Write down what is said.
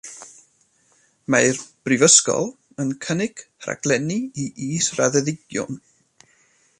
Mae'r brifysgol yn cynnig rhaglenni i israddedigion.